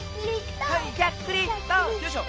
よいしょ！